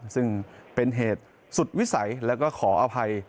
ซึ่งเป็นเหตุสุดวิสัยแล้วก็ขออภัย